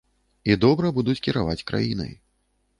І добра будуць кіраваць краінай.